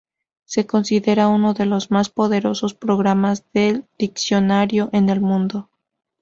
Se considera uno de los más poderosos programas de diccionario en el mundo.